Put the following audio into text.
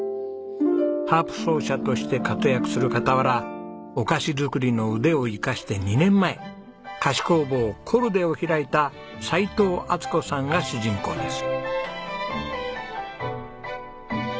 ハープ奏者として活躍する傍らお菓子作りの腕を生かして２年前菓子工房コルデを開いた斎藤充子さんが主人公です。